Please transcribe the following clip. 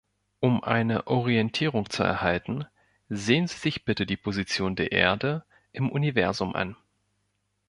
Um eine Orientierung zu erhalten, sehen Sie sich bitte die Position der Erde im Universum an.